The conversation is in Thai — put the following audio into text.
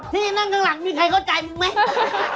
นั่งข้างหลังมีใครเข้าใจมึงไหม